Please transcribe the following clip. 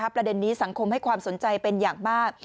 ประเด็นนี้สังคมให้ความสนใจเป็นอย่างมาก